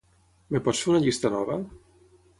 Em pots fer una llista nova?